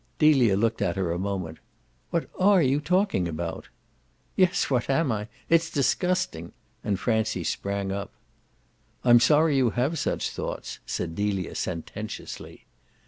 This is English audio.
Delia looked at her a moment. "What ARE you talking about?" "Yes, what am I? It's disgusting!" And Francie sprang up. "I'm sorry you have such thoughts," said Delia sententiously.